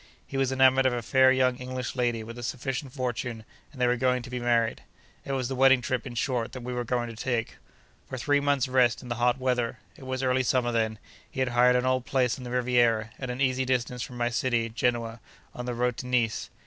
He was enamoured of a fair young English lady, with a sufficient fortune, and they were going to be married. It was the wedding trip, in short, that we were going to take. For three months' rest in the hot weather (it was early summer then) he had hired an old place on the Riviera, at an easy distance from my city, Genoa, on the road to Nice.